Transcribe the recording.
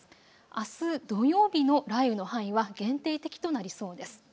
あす土曜日の雷雨の範囲は限定的となりそうです。